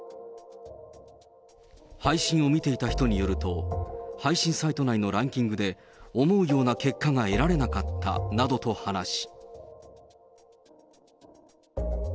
配信を見ていた人によると、配信サイト内のランキングで思うような結果が得られなかったなどと話し。